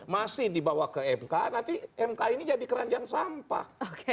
masih dibawa ke mk nanti mk ini jadi keranjang sampah